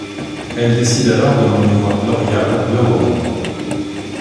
Elle décide alors de l'emmener voir Gloria au Gloworn.